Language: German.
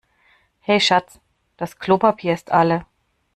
Hey Schatz, das Klopapier ist alle.